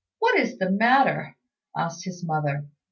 "What is the matter?" asked his mother.